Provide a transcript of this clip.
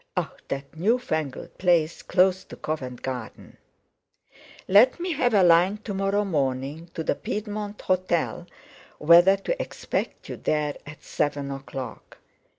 Ah! that new fangled place close to Covent Garden.... "Let me have a line to morrow morning to the Piedmont Hotel whether to expect you there at 7 o'clock.